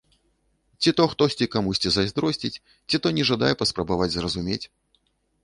Ці то хтосьці камусьці зайздросціць, ці то не жадае паспрабаваць зразумець.